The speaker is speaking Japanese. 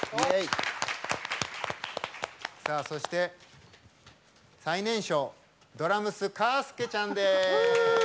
さあそして最年少ドラムスカースケちゃんです！